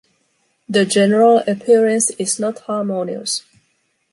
The general appearance is not harmonious.